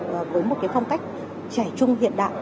với một cái phong cách trẻ trung hiện đại